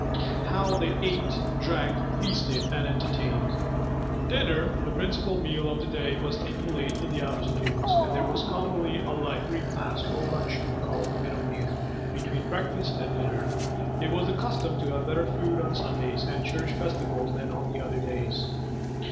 HOW THEY ATE, DRANK, FEASTED, AND ENTERTAINED. Dinner, the principal meal of the day, was taken late in the afternoon; and there was commonly a light repast or luncheon, called 'Middle meal,' between breakfast and dinner. It was the custom to have better food on Sundays and church festivals than on the other days.